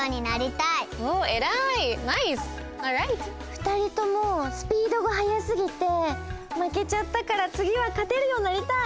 ２人ともスピードがはやすぎてまけちゃったからつぎはかてるようになりたい！